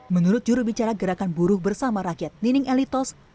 menurut jurubicara gerakan buruh bersama rakyat nining elitos